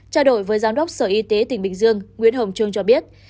trao đổi với giám đốc sở y tế tỉnh bình dương nguyễn hồng trương cho biết